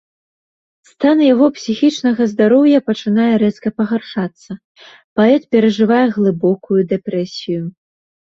Стан яго псіхічнага здароўя пачынае рэзка пагаршацца, паэт перажывае глыбокую дэпрэсію.